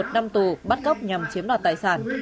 một mươi một năm tù bắt cóc nhằm chiếm đoạt tài sản